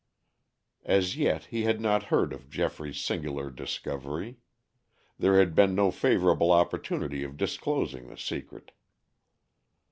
As yet he had not heard of Geoffrey's singular discovery. There had been no favorable opportunity of disclosing the secret.